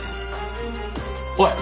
おい。